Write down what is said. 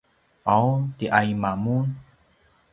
’aw tiaima mun?